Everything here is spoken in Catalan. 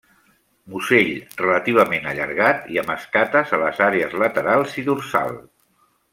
Musell relativament allargat i amb escates a les àrees laterals i dorsal.